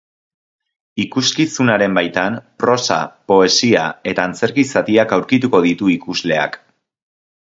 Ikuskizunaren baitan, prosa, poesia eta antzerki zatiak aurkituko ditu ikusleak.